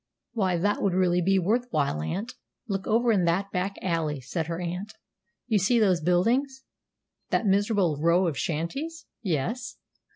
"Why, that would really be worth while, aunt." "Look over in that back alley," said her aunt. "You see those buildings?" "That miserable row of shanties? Yes."